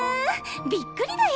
びっくりだよ！